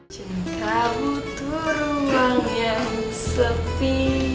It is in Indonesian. cinta butuh ruang yang sepi